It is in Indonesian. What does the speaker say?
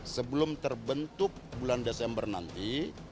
sebelum terbentuk bulan desember nanti